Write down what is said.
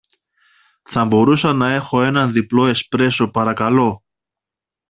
θα μπορούσα να έχω έναν διπλό εσπρέσο, παρακαλώ